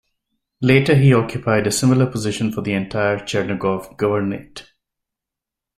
Later he occupied a similar position for the entire Chernigov Governorate.